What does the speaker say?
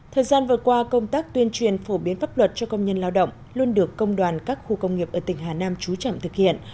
thời gian vừa qua công tác tuyên truyền phổ biến pháp luật cho công nhân lao động luôn được công đoàn các khu công nghiệp ở tỉnh hà nam trú trọng thực hiện